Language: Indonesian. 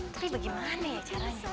tapi bagaimana caranya